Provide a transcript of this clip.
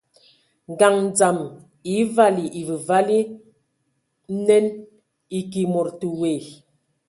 Ngaɲ dzam e vali evǝvali nen, eki mod te woe,